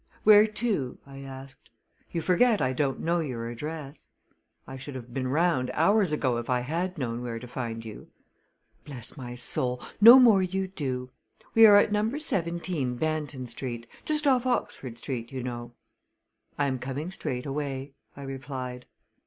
"Where to?" I asked. "You forget I don't know your address. I should have been round hours ago if I had known where to find you." "Bless my soul, no more you do! We are at Number 17, Banton Street just off Oxford Street, you know." "I am coming straightaway," I replied.